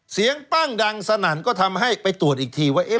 ปั้งดังสนั่นก็ทำให้ไปตรวจอีกทีว่า